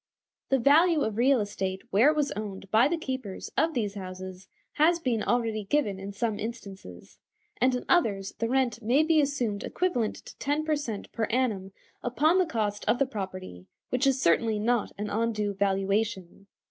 The value of real estate where it was owned by the keepers of these houses has been already given in some instances, and in others the rent may be assumed equivalent to ten per cent. per annum upon the cost of the property, which is certainly not an undue valuation.